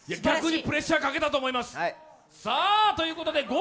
逆にプレッシャーかけたと思います。